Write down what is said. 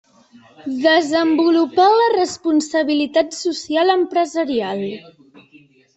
Desenvolupà la responsabilitat social empresarial.